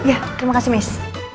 ya terima kasih miss